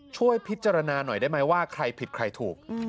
ช่วยพิจารณาหน่อยได้ไหมว่าใครผิดใครถูก